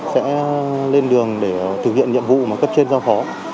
sẽ lên đường để thực hiện nhiệm vụ mà cấp trên giao phó